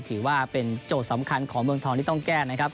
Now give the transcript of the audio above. ถือว่าเป็นโจทย์สำคัญของเมืองทองที่ต้องแก้นะครับ